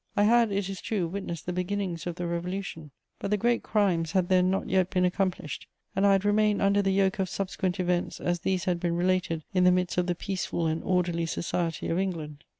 I had, it is true, witnessed the beginnings of the Revolution; but the great crimes had then not yet been accomplished, and I had remained under the yoke of subsequent events as these had been related in the midst of the peaceful and orderly society of England.